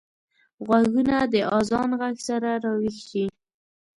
غوږونه د اذان غږ سره راويښ شي